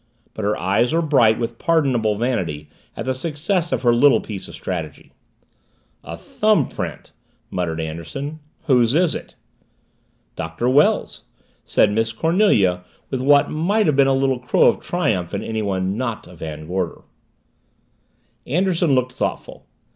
But her eyes were bright with pardonable vanity at the success of her little piece of strategy. "A thumb print," muttered Anderson. "Whose is it?" "Doctor Wells," said Miss Cornelia with what might have been a little crow of triumph in anyone not a Van Gorder. Anderson looked thoughtful.